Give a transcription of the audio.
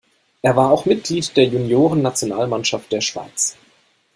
Er war auch Mitglied der Junioren-Nationalmannschaft der Schweiz.